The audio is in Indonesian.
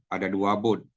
ada dua bot